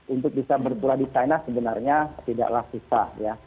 untuk bisa berpura di china sebenarnya tidaklah susah ya